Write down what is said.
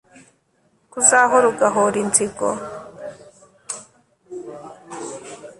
ko uzahora ugahora inzigo